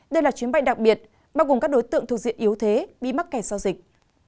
đây là chuyến bay đặc biệt bao gồm các đối tượng thuộc diện yếu thế bị mắc kẻ sau dịch